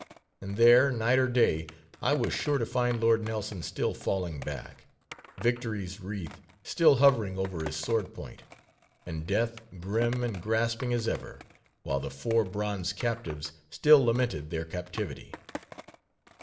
And there, night or day, I was sure to find Lord Nelson still falling back; Victory's wreath still hovering over his swordpoint; and Death grim and grasping as ever; while the four bronze captives still lamented their captivity.